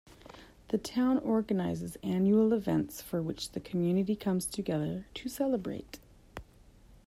The town organises annual events for which the community comes together to celebrate.